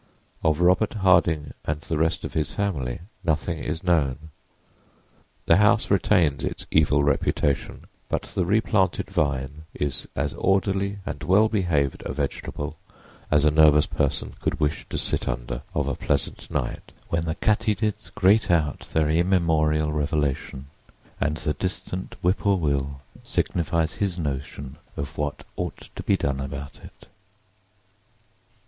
Of Robert Harding and the rest of his family nothing is known. The house retains its evil reputation, but the replanted vine is as orderly and well behaved a vegetable as a nervous person could wish to sit under of a pleasant night, when the katydids grate out their immemorial revelation and the distant whippoorwill signifies his notion of what ought to be done about it.